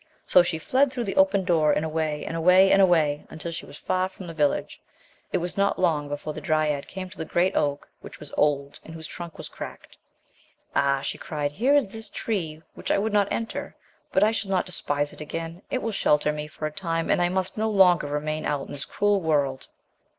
So she fled through the open door and away, and away, and away, until she was far from the village. It was not long before the dryad came to the great oak which was old and whose trunk was cracked. "Ah!" she cried, "here is this tree which I would not enter, but I shall not despise it again. It will shelter me, for a time, and I must no longer remain out in this cruel world."